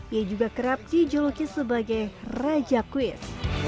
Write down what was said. ia juga kerap dijuluki sebagai raja kuis